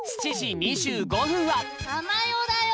たまよだよ！